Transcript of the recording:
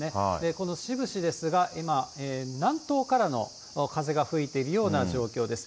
この志布志ですが、今、南東からの風が吹いているような状況です。